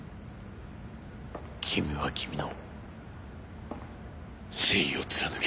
君は君の正義を貫け。